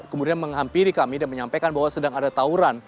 kemudian menghampiri kami dan menyampaikan bahwa sedang ada tawuran